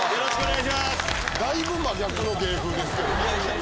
だいぶ真逆の芸風ですけど。